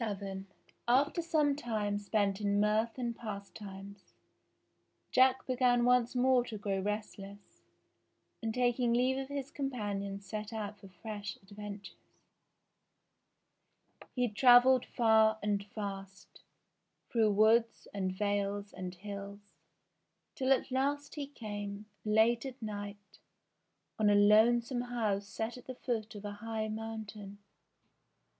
VII After some time spent in mirth and pastimes, Jack began once more to grow restless, and taking leave of his companions set out for fresh adventures. He travelled far and fast, through woods, and vales, and hills, till at last he came, late at night, on a lonesome house set at the foot of a high mountain.